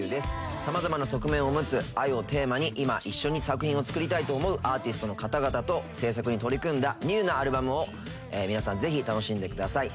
様々な側面を持つ愛をテーマに今一緒に作品を作りたいと思うアーティストの方々と制作に取り組んだニューなアルバムを皆さんぜひ楽しんでください。